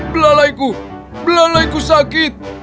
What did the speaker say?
belalaiku belalaiku sakit